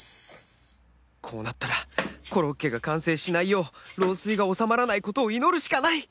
こうなったらコロッケが完成しないよう漏水が収まらない事を祈るしかない！